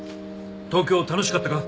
東京楽しかったか？